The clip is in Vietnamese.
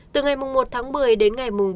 từ ngày một một mươi đến ngày bốn một mươi